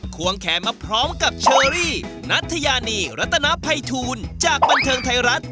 ควงแขนมาพร้อมกับเชอรี่นัทยานีรัตนภัยทูลจากบันเทิงไทยรัฐ